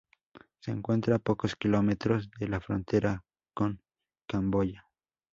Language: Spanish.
Se encuentra a pocos kilómetros de la frontera con Camboya.